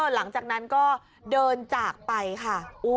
หลังจากนั้นก็เดินจากไปค่ะ